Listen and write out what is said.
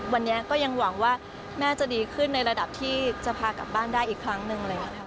วันนี้ก็ยังหวังว่าแม่จะดีขึ้นในระดับที่จะพากลับบ้านได้อีกครั้งหนึ่ง